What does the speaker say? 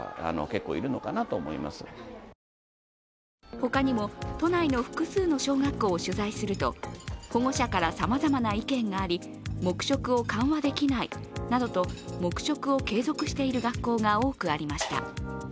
他にも都内の複数の小学校を取材すると保護者からさまざまな意見があり黙食を緩和できないなどと黙食を継続している学校が多くありました。